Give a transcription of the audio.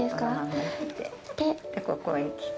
ここへ来て。